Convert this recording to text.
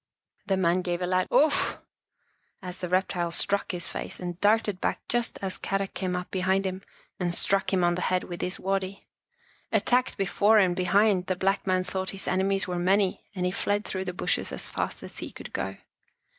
The man gave a loud " Wouf !" as the reptile struck his face, and darted back just as Kadok came up behind and struck him on the Housekeeping in a Cave 115 head with his waddy. Attacked before and be hind, the black man thought his enemies were many and he fled through the bushes as fast as he could go.